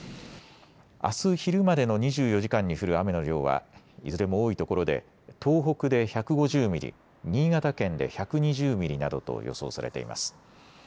あす昼までの２４時間に降る雨の量はいずれも多いところで東北で１５０ミリ、新潟県で１２０ミリなどと予想されています。